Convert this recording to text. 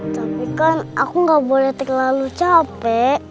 tapi kan aku gak boleh terlalu capek